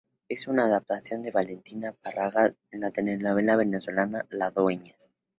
Es una adaptación de Valentina Párraga de la telenovela venezolana "La dueña".